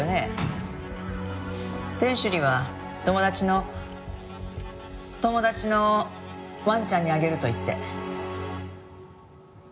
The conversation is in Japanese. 店主には友達の友達のワンちゃんにあげると言って。